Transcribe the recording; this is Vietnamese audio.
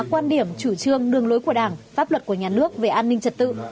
quan điểm chủ trương đường lối của đảng pháp luật của nhà nước về an ninh trật tự